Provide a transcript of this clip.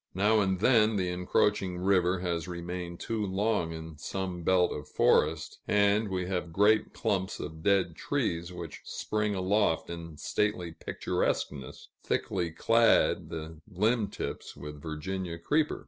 Now and then the encroaching river has remained too long in some belt of forest, and we have great clumps of dead trees, which spring aloft in stately picturesqueness, thickly clad to the limb tips with Virginia creeper.